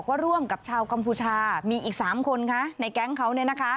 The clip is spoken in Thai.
ร่วมกับชาวกัมพูชามีอีก๓คนในแก๊งเขา